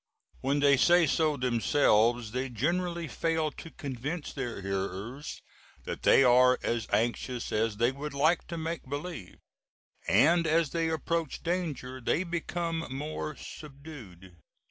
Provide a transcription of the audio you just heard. When they say so themselves they generally fail to convince their hearers that they are as anxious as they would like to make believe, and as they approach danger they become more subdued.